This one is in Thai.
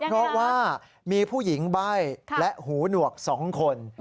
เพราะว่ามีผู้หญิงใบ้และหูหนวก๒คน